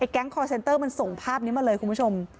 แก๊งคอร์เซ็นเตอร์มันส่งภาพนี้มาเลยคุณผู้ชม